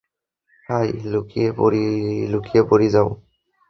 হ্যায় লুকিয়ে পড়ি যাও।